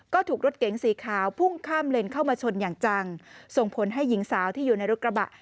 ก็ถูกรถเก๋งสีขาวพุ่งข้ามเลนเข้ามาชนอย่างจังส่งผลให้หญิงสาวที่อยู่ในรถกระบะ